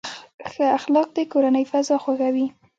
ښه اخلاق د کورنۍ فضا خوږوي.